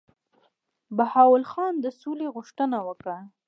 بهاول خان د سولي غوښتنه وکړه.